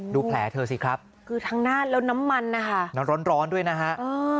ดูแผลเธอสิครับคือทั้งหน้าแล้วน้ำมันนะคะน้ำร้อนร้อนด้วยนะฮะ